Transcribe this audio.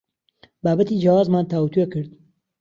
بابەتی جیاوازمان تاوتوێ کرد.